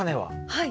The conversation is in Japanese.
はい。